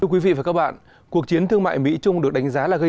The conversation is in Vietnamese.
quý vị và các bạn